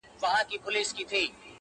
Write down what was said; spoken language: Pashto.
تا ښخ کړئ د سړو په خوا کي سپی دی،